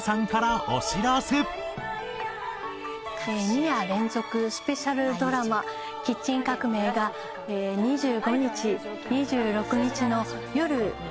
２夜連続スペシャルドラマ『キッチン革命』が２５日２６日のよる９時から放送されます。